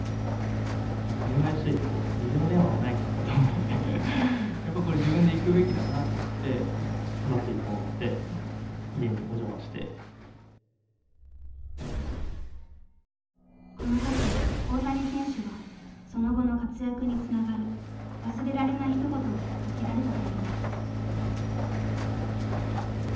ただよくよく考えてやっぱりこれ自分で行くべきだなと思ってこの時大谷選手はその後の活躍につながる忘れられないひと言をかけられたといいます。